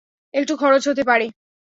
একটু খরচ হতে পারে।